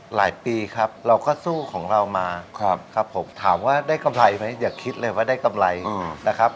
หลายปีครับเราก็สู้ของเรามาครับผมถามว่าได้กำไรไหมอย่าคิดเลยว่าได้กำไรนะครับ